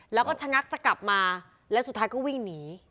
แล้วก็ชะงักจะกลับมาแล้วสุดท้ายก็วิ่งหนี